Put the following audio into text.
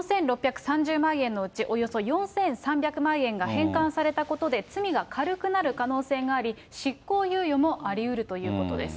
４６３０万円のうち、およそ４３００万円が返還されたということで罪が軽くなる可能性があり、執行猶予もありうるということです。